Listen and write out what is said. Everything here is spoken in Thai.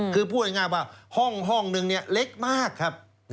คือพูดง่ายว่าห้องนึงเล็กมากครับ